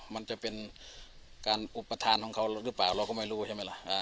มันจะเป็นการอุปทานของเขาหรือเปล่าเราก็ไม่รู้ใช่ไหมล่ะ